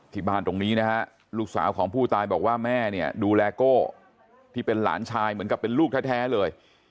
ตรงนี้นะฮะลูกสาวของผู้ตายบอกว่าแม่เนี่ยดูแลโก้ที่เป็นหลานชายเหมือนกับเป็นลูกแท้เลย